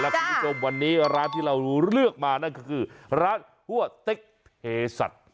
คุณผู้ชมวันนี้ร้านที่เราเลือกมานั่นก็คือร้านหัวเต็กเพศัตริย์